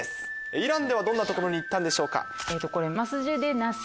イランではどんな所に行ったんでしょうか？